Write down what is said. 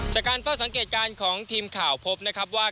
จากการเฝ้าสังเกตการณ์ของทีมข่าวพบนะครับว่า